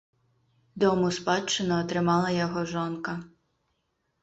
Дом у спадчыну атрымала яго жонка.